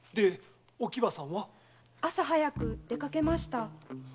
朝早く出かけました。